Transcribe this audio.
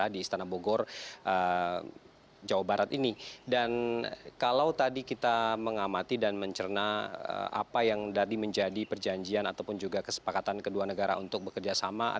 di bidang tenaga kerja